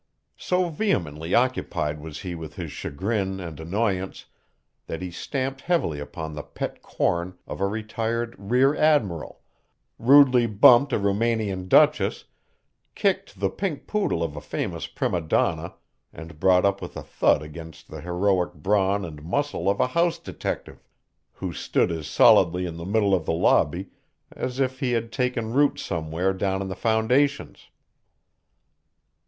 So vehemently occupied was he with his chagrin and annoyance that he stamped heavily upon the pet corn of a retired rear admiral, rudely bumped a Roumanian duchess, kicked the pink poodle of a famous prima donna and brought up with a thud against the heroic brawn and muscle of the house detective, who stood as solidly in the middle of the lobby as if he had taken root somewhere down in the foundations.